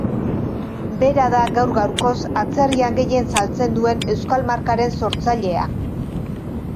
Bera da gaur gaurkoz atzerrian gehien saltzen duen euskal markaren sortzailea.